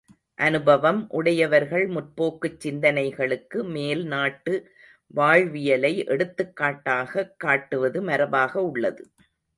அனுபாவம் உடையவர்கள் முற்போக்குச் சிந்தனைகளுக்கு மேல் நாட்டு வாழ்வியலை எடுத்துக்காட்டாகக் காட்டுவது மரபாக உள்ளது.